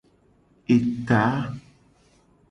Eta.